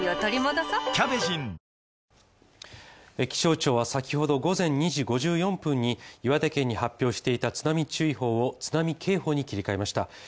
気象庁は先ほど午前２時５４分に岩手県に発表していた津波注意報を津波警報に切り替えました。